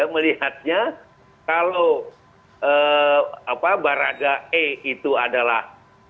melihatnya kalau barada e itu adalah